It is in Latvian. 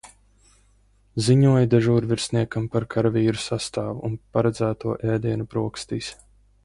Ziņoju dežūrvirsniekam par karavīru sastāvu un paredzēto ēdienu brokastīs.